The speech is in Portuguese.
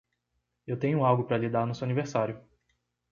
Eu tenho algo para lhe dar no seu aniversário.